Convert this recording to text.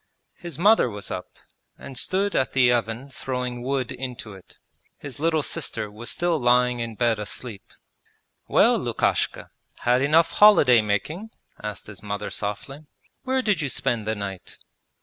His mother was up, and stood at the oven throwing wood into it. His little sister was still lying in bed asleep. 'Well, Lukashka, had enough holiday making?' asked his mother softly. 'Where did you spend the night?'